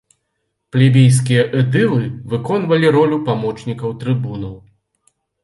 Плебейскія эдылы выконвалі ролю памочнікаў трыбунаў.